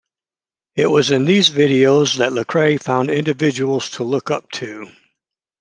It was in these videos that Lecrae found individuals to look up to.